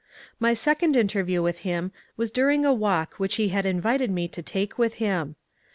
My second interview with him was during a walk which he had invited me to take with him.